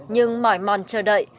nhưng mỏi mòn chờ đợi